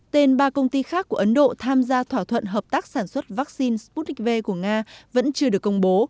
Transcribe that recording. tên ba công ty khác của ấn độ tham gia thỏa thuận hợp tác sản xuất vaccine sputnik v của nga vẫn chưa được công bố